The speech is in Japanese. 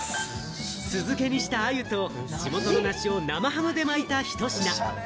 酢漬けにしたアユと、地元の梨を生ハムで巻いたひと品。